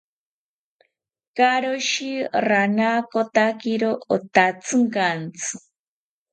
Karoshi ranakotakiro otatzinkantzi